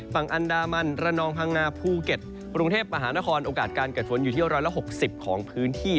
ฝั่งอันดามันระนองพังงาภูเก็ตกรุงเทพมหานครโอกาสการเกิดฝนอยู่ที่๑๖๐ของพื้นที่